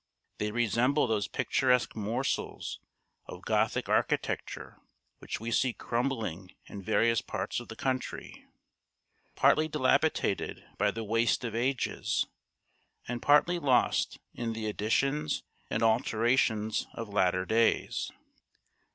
They resemble those picturesque morsels of Gothic architecture which we see crumbling in various parts of the country, partly dilapidated by the waste of ages, and partly lost in the additions and alterations of latter days.